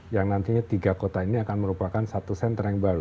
yang nantinya tiga kota ini akan merupakan satu sentra yang baru